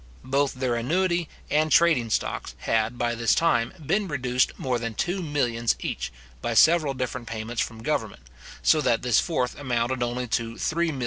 Both their annuity and trading stocks had, by this time, been reduced more than two millions each, by several different payments from government; so that this fourth amounted only to £3,662,784:8:6.